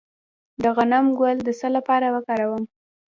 د غنم ګل د څه لپاره وکاروم؟